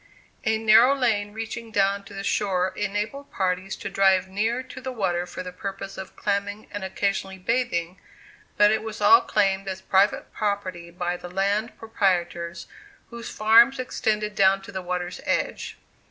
A narrow lane reaching down to the shore enabled parties to drive near to the water for the purpose of clamming, and occasionally bathing; but it was all claimed as private property by the land proprietors, whose farms extended down to the water's edge.